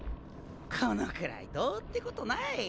このくらいどうってことない。